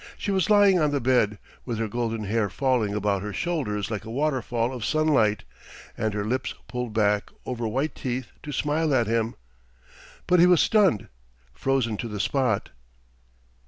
She was lying on the bed, with her golden hair falling about her shoulders like a waterfall of sunlight, and her lips pulled back over white teeth to smile at him. But he was stunned, frozen to the spot.